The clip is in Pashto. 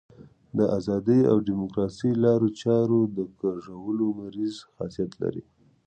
د ازادۍ او ډیموکراسۍ لارو چارو د کږولو مریض خاصیت لري.